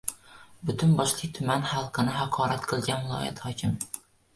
Butun boshli tuman xalqini haqorat qilgan viloyat hokimi